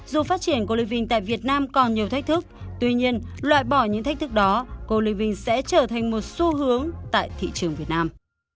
dù phát triển cleaving tại việt nam còn nhiều thách thức tuy nhiên loại bỏ những thách thức đó cleaving sẽ trở thành một xu hướng tại thị trường việt nam